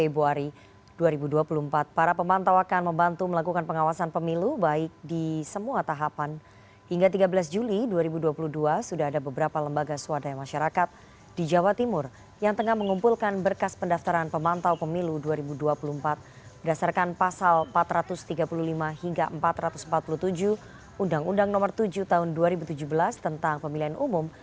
berdasarkan pasal empat ratus tiga puluh lima hingga empat ratus empat puluh tujuh undang undang no tujuh tahun dua ribu tujuh belas tentang pemilihan umum